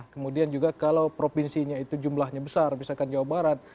kemudian juga kalau provinsinya itu jumlahnya besar misalkan jawa barat